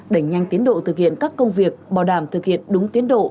đẩy nhanh tiến độ thực hiện các công việc bảo đảm thực hiện đúng tiến độ